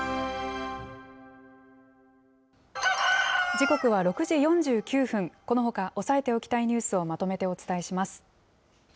時刻は６時４９分、このほか押さえておきたいニュースをまとめてお伝えします。